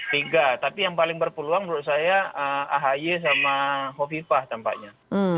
tiga tapi yang paling berpeluang menurut saya ahi sama hovipah tampaknya